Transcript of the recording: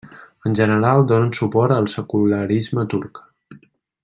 En general donen suport al secularisme turc.